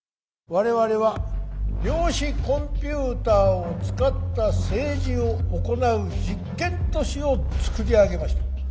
我々は量子コンピューターを使った政治を行う実験都市を造り上げました。